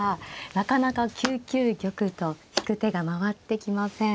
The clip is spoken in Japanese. なかなか９九玉と引く手が回ってきません。